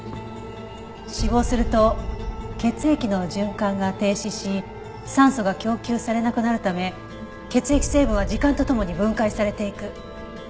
死亡すると血液の循環が停止し酸素が供給されなくなるため血液成分は時間とともに分解されていく。